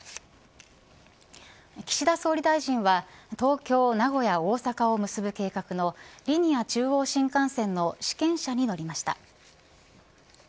岸田総理大臣は東京、名古屋、大阪を結ぶ計画のリニア中央新幹線の試験車に乗りました。